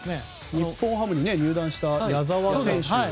日本ハムに入団した選手もね。